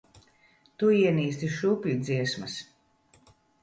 Tu ienīsti šūpuļdziesmas.